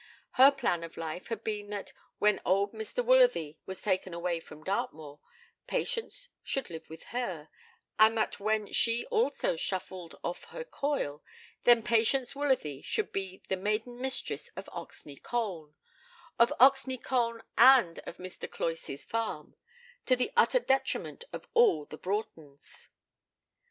Her plan of life had been that when old Mr. Woolsworthy was taken away from Dartmoor, Patience should live with her, and that when she also shuffled off her coil, then Patience Woolsworthy should be the maiden mistress of Oxney Colne of Oxney Colne and of Mr. Cloysey's farm to the utter detriment of all the Broughtons.